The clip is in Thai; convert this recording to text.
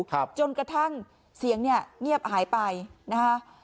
จนกระทั่งเสียงเนี่ยเงียบหายไปนะคะ